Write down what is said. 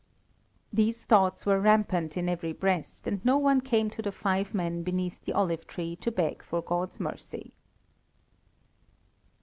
These thoughts were rampant in every breast, and no one came to the five men beneath the olive tree to beg for God's mercy.